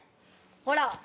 ほら。